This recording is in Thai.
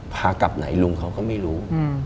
พากลับไหนลุงเขาก็ไม่รู้